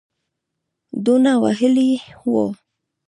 دونه وهلی وو.